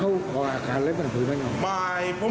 โหลายกาก